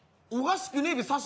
おかしくねえべ。